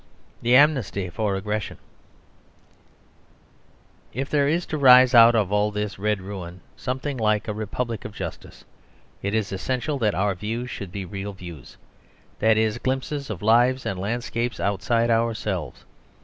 THE AMNESTY FOR AGGRESSION If there is to rise out of all this red ruin something like a republic of justice, it is essential that our views should be real views; that is, glimpses of lives and landscapes outside ourselves.